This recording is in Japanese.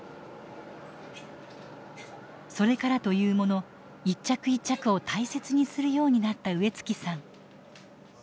それからというもの一着一着を大切にするようになった植月さん。